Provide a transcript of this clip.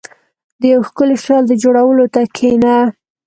• د یو ښکلي خیال د جوړولو ته کښېنه.